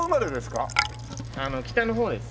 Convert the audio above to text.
あの北の方です。